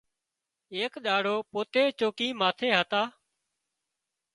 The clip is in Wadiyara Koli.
ايڪ ڏاڙو پوتي چوڪي ماٿي هتا